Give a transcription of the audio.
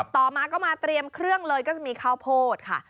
ต่อมาก็มาเตรียมเครื่องเลยก็จะมีข้าวโพดค่ะ